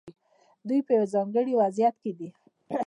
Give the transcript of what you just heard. دوی په یو ځانګړي وضعیت کې دي.